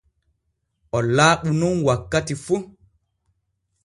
O laaɓu nun wakkati fu.